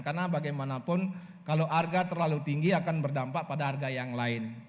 karena bagaimanapun kalau harga terlalu tinggi akan berdampak pada harga yang lain